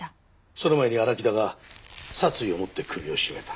その前に荒木田が殺意を持って首を絞めた。